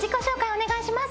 お願いします。